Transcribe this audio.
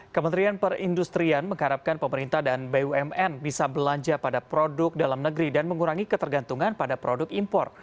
kementerian perindustrian mengharapkan pemerintah dan bumn bisa belanja pada produk dalam negeri dan mengurangi ketergantungan pada produk impor